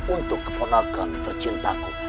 untuk keponakan tercintaku